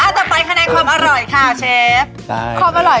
อ่าต่อไปคะในความอร่อยค่ะเชฟได้